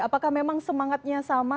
apakah memang semangatnya sama